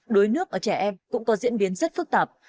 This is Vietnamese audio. đuối nước ở trẻ em cũng có diễn biến rất phức tạp